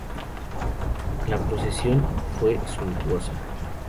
La procesión fue suntuosa.